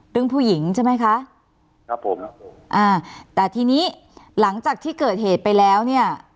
ผู้หญิงใช่ไหมคะครับผมครับผมอ่าแต่ทีนี้หลังจากที่เกิดเหตุไปแล้วเนี่ย